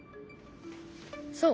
そう。